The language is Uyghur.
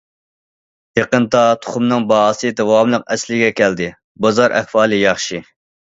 يېقىندا تۇخۇمنىڭ باھاسى داۋاملىق ئەسلىگە كەلدى، بازار ئەھۋالى ياخشى.